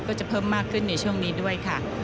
ก็จะเพิ่มมากขึ้นในช่วงนี้ด้วยค่ะ